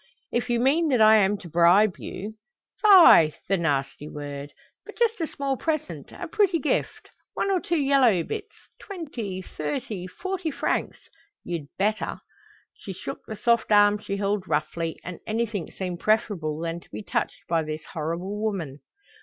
"If you mean that I am to bribe you " "Fie, the nasty word! But just a small present, a pretty gift, one or two yellow bits, twenty, thirty, forty francs you'd better." She shook the soft arm she held roughly, and anything seemed preferable than to be touched by this horrible woman.